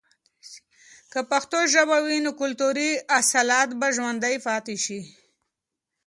که پښتو ژبه وي، نو کلتوری اصالت به ژوندۍ پاتې سي.